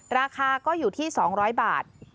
ราคาก็อยู่ที่๒๐๐บาท